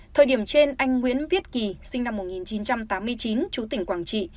thời điểm trên anh nguyễn viết kỳ sinh năm một nghìn chín trăm tám mươi chín chú tỉnh quảng trị